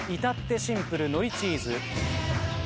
至ってシンプルのりチーズ。